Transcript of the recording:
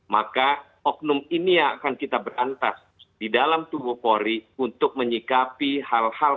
maka oknum ini yang akan kita berantas di dalam tubuh polri untuk menyikapi hal hal